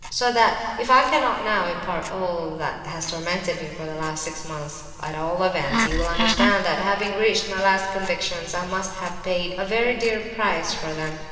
"So that if I cannot now impart all that has tormented me for the last six months, at all events you will understand that, having reached my 'last convictions,' I must have paid a very dear price for them.